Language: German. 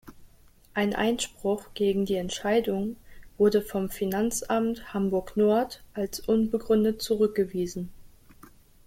Ein Einspruch gegen die Entscheidung wurde vom Finanzamt Hamburg-Nord als unbegründet zurückgewiesen.